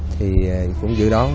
thì cũng dự đoán